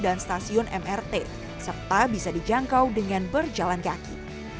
dan stasiun mrt serta bisa dijangkau dengan berjalan kaki